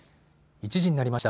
１時になりました。